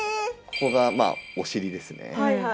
ここがまあお尻ですね。